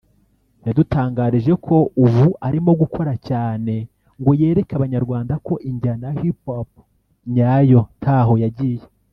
yadutangarije ko ubu arimo gukora cyane ngo yereke abanyarwanda ko injyana ya Hip Hop nyayo ntaho yagiye